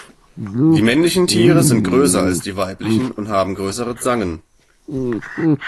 Die männlichen Tiere sind größer als die weiblichen und haben größere Zangen.